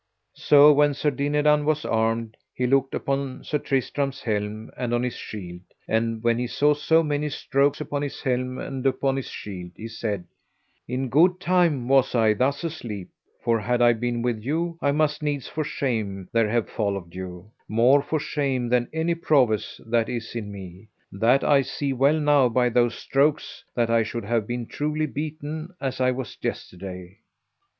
So when Sir Dinadan was armed he looked upon Sir Tristram's helm and on his shield, and when he saw so many strokes upon his helm and upon his shield he said: In good time was I thus asleep, for had I been with you I must needs for shame there have followed you; more for shame than any prowess that is in me; that I see well now by those strokes that I should have been truly beaten as I was yesterday.